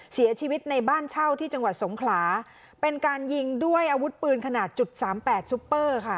เสียชีวิตในบ้านเช่าที่จังหวัดสงขลาเป็นการยิงด้วยอาวุธปืนขนาดจุดสามแปดซุปเปอร์ค่ะ